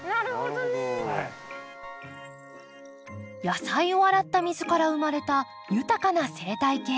野菜を洗った水から生まれた豊かな生態系。